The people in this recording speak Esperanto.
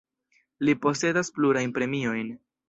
Li posedas plurajn premiojn.